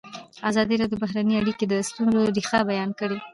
ازادي راډیو د بهرنۍ اړیکې د ستونزو رېښه بیان کړې.